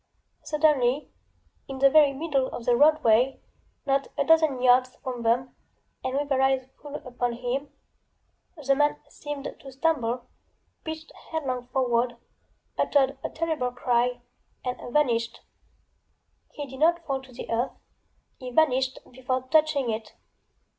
SuddenlyŌĆöin the very middle of the roadway, not a dozen yards from them, and with their eyes full upon himŌĆöthe man seemed to stumble, pitched headlong forward, uttered a terrible cry and vanished! He did not fall to the earthŌĆöhe vanished before touching it.